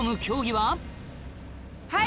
はい。